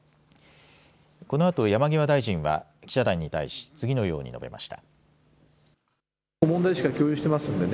このあと山際大臣は記者団に対し次のように述べました。